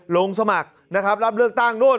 ลงสมัครนะครับรับเลือกต้างโน้ต